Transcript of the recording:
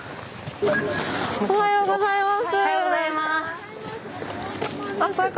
おはようございます。